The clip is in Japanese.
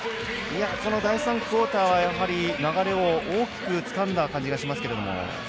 この第３クオーターは流れを大きくつかんだ感じがしますが。